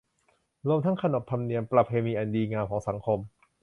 รวมทั้งขนบธรรมเนียมประเพณีอันดีงามของสังคม